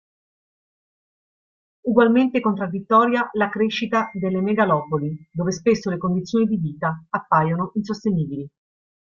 Ugualmente contraddittoria la crescita delle megalopoli dove spesso le condizioni di vita appaiono insostenibili.